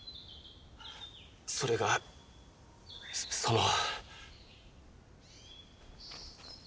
それがその。